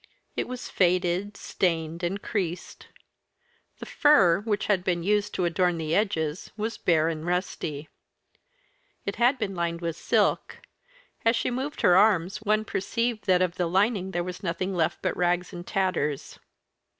It was faded, stained, and creased. The fur which had been used to adorn the edges was bare and rusty. It had been lined with silk as she moved her arms one perceived that of the lining there was nothing left but rags and tatters.